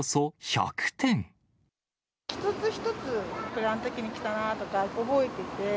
一つ一つ、これ、あのときに着たなとか覚えてて。